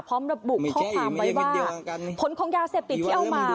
พร้อมระบุท้อกคำไปว่าผลของยาเศษติที่เอามา